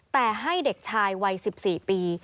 แต่ให้เด็กชายวัย๑๔ปี